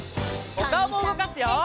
おかおもうごかすよ！